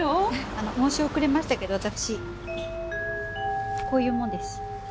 あの申し遅れましたけど私こういうもんです。